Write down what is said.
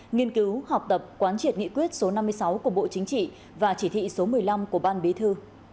nghiên cứu học tập quán triệt nghị quyết số năm mươi sáu của bộ chính trị và chỉ thị số một mươi năm của ban bí thư